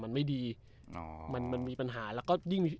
มันไม่ดีอ๋อมันมันมีปัญหาแล้วก็ยิ่งมี